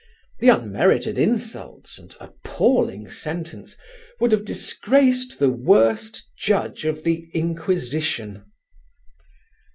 The unmerited insults and appalling sentence would have disgraced the worst Judge of the Inquisition.